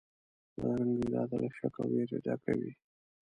بدرنګه اراده له شک او وېري ډکه وي